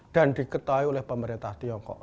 dan diketahui oleh pemerintah tiongkok